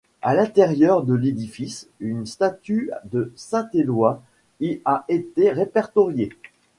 À l'intérieur de l'édifice, une statue de saint Éloi y a été répertoriée.